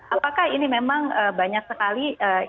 apakah ini memang banyak sekali